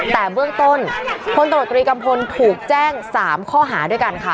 แต่เบื้องต้นพลตรวจตรีกัมพลถูกแจ้ง๓ข้อหาด้วยกันค่ะ